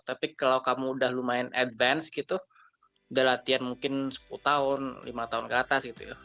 tapi kalau kamu udah lumayan advance gitu udah latihan mungkin sepuluh tahun lima tahun ke atas gitu ya